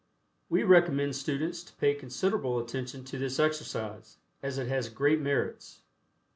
We recommend students to pay considerable attention to this exercise, as it has great merits.